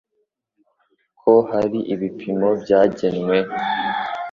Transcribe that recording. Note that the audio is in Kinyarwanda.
ko hari ibipimo byagenwe